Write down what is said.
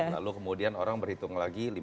lalu kemudian orang berhitung lagi